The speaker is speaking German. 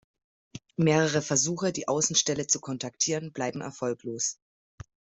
Mehrere Versuche, die Außenstelle zu kontaktieren, bleiben erfolglos.